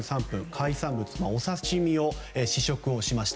海産物お刺し身の試食をされました。